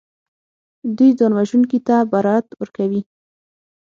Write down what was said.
دوی ځانوژونکي ته برائت ورکوي